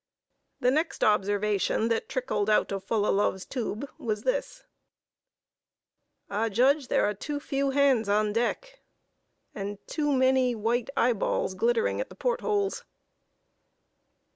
The next observation that trickled out of Fullalove's tube was this: "I judge there are too few hands on deck, and too many—white—eyeballs—glittering at the portholes."